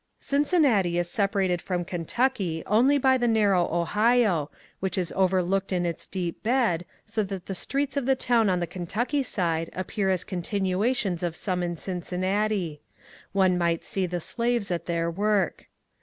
" Cincinnati is separated from Kentucky only by the narrow Ohio, which is overlooked in its deep bed, so that the streets 318 M0NC5TJRE DANIEL CONWAY of the town on the Kentucky side appear as continuations of some in Cincinnati ; one might see the slaves at their work.